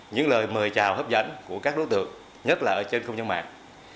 những lời mời chào hấp dẫn của các đối tượng nhất là ở trên không gian mạng